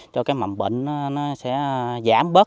cho mầm mệnh giảm bớt